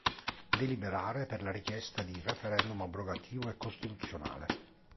Deliberare per la richiesta di referendum abrogativo e costituzionale.